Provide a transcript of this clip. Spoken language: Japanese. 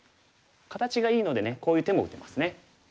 形がいいのでねこういう手も打てますね。